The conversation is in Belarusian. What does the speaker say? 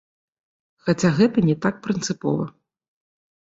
Хаця гэта не так прынцыпова.